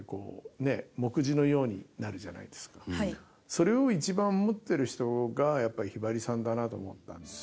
それを一番持っている人がやっぱりひばりさんだなと思ったんです。